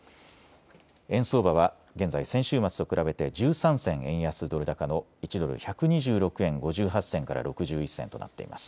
円相場は現在、先週末と比べて１３銭円安ドル高の１ドル１２６円５８銭から６１銭となっています。